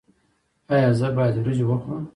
ایا زه باید وریجې وخورم؟